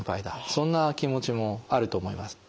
そんな気持ちもあると思います。